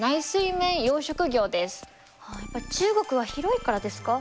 やっぱり中国は広いからですか？